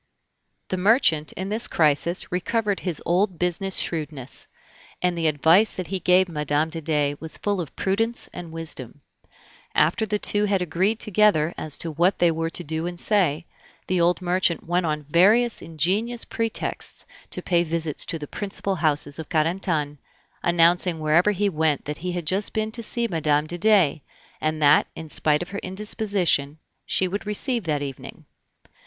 The merchant in this crisis recovered his old business shrewdness, and the advice that he gave Mme. de Dey was full of prudence and wisdom. After the two had agreed together as to what they were to do and say, the old merchant went on various ingenious pretexts to pay visits to the principal houses of Carentan, announcing wherever he went that he had just been to see Mme. de Dey, and that, in spite of her indisposition, she would receive that evening.